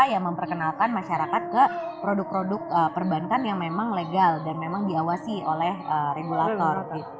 yang memperkenalkan masyarakat ke produk produk perbankan yang memang legal dan memang diawasi oleh regulator